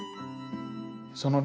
そのね